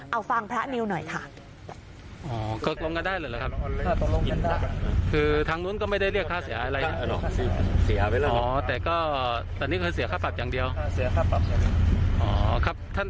เอาฟังพระนิวหน่อยค่ะ